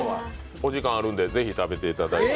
お時間あるんでぜひ食べていただいて。